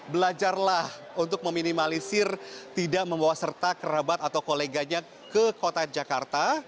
belajarlah untuk meminimalisir tidak membawa serta kerabat atau koleganya ke kota jakarta